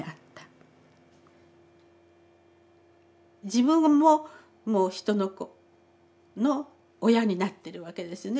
自分ももう人の子の親になってるわけですよね。